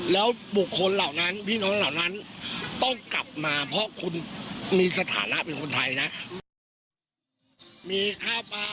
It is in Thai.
แล้วบุคคลเหล่านั้นพี่น้องเหล่านั้นต้องกลับมาเพราะคุณมีสถานะเป็นคนไทยนะ